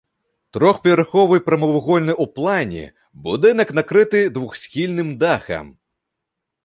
Трохпавярховы прамавугольны ў плане будынак накрыты двухсхільным дахам.